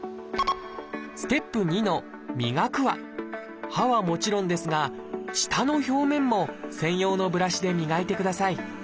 ステップ２の「磨く」は歯はもちろんですが舌の表面も専用のブラシで磨いてください。